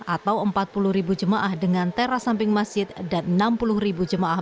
atau empat puluh jemaah dengan teras samping masjid dan enam puluh jemaah